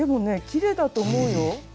きれいだと思うよ。